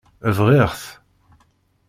Bɣiɣ-t.